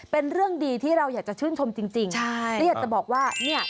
เป็นเรื่องดีที่เราอยากจะชื่นชมจริงจริงใช่และอยากจะบอกว่าเนี่ย